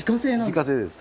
自家製です。